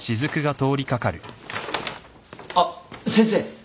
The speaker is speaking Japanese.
あっ先生。